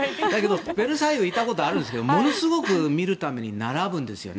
ベルサイユ行ったことありますけどものすごく見るために並ぶんですよね。